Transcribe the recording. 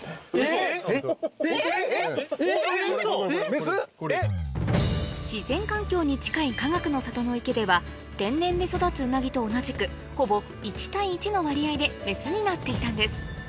メス⁉自然環境に近いかがくの里の池では天然で育つウナギと同じくほぼ１：１の割合でメスになっていたんです